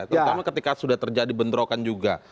terutama ketika sudah terjadi bentrokan juga